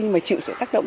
nhưng mà chịu sự tác động